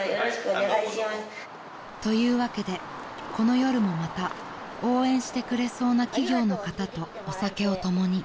［というわけでこの夜もまた応援してくれそうな企業の方とお酒を共に］